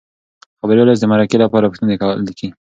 خبریال اوس د مرکې لپاره پوښتنې لیکي.